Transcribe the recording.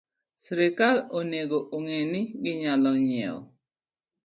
Sirkal onego ong'e ni ginyalo ng'iewo